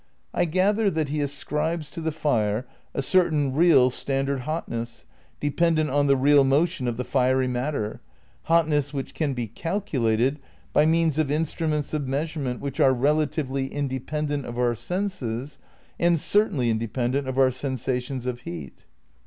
I gather that he ascribes to the fire a certain "real" standard hotness dependent on the "real motion" of the "fiery matter," hotness which can be calculated by means of "instru ments of measurement which are relatively independ ent of our senses and certainly independent of our sen sations of heat."